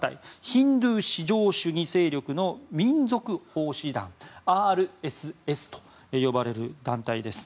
ヒンドゥー至上主義勢力の民族奉仕団・ＲＳＳと呼ばれる団体です。